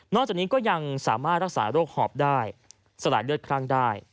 จากนี้ก็ยังสามารถรักษาโรคหอบได้สลายเลือดคลั่งได้